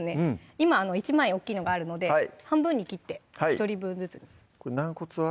今１枚大っきいのがあるので半分に切って１人分ずつにこれ軟骨は？